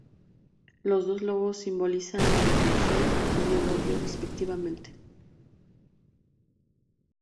Los dos lobos simbolizaban la "repulsión" y el "odio" respectivamente.